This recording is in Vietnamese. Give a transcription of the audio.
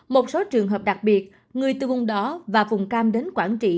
một số trường hợp đặc biệt người từ vùng đó và vùng cam đến quảng trị